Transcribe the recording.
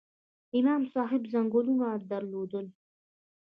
امام صاحب ځنګلونه درلودل؟